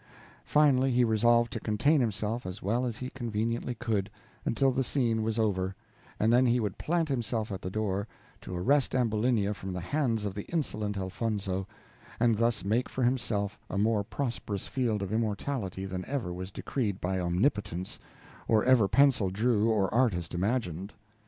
Finally, he resolved to contain himself as well as he conveniently could, until the scene was over, and then he would plant himself at the door, to arrest Ambulinia from the hands of the insolent Elfonzo, and thus make for himself a more prosperous field of immortality than ever was decreed by Omnipotence, or ever pencil drew or artist imagined.